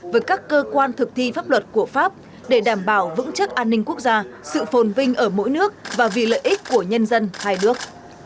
với các cơ quan thực thi pháp luật của pháp để đảm bảo vững chắc an ninh quốc gia sự phồn vinh ở mỗi nước và vì lợi ích của nhân dân hai nước